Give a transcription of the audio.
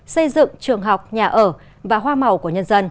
xây dựng trường học